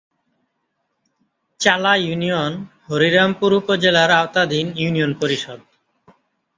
চালা ইউনিয়ন হরিরামপুর উপজেলার আওতাধীন ইউনিয়ন পরিষদ।